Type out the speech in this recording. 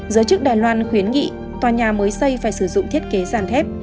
giới chức đài loan khuyến nghị tòa nhà mới xây phải sử dụng thiết kế giản thép